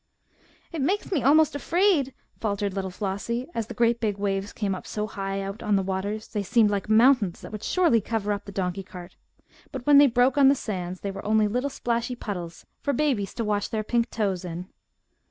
"It makes me almost afraid!" faltered little Flossie, as the great big waves came up so high out on the waters, they seemed like mountains that would surely cover up the donkey cart. But when they "broke" on the sands they were only little splashy puddles for babies to wash their pink toes in.